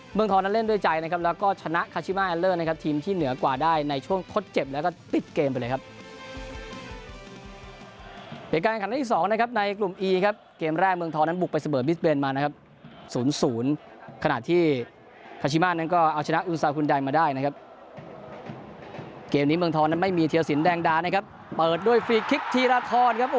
เปิดด้วยฟรีคลิกธีราธรครับโอ้ปั่นลูกนี้หนึ่งสูงเลยครับ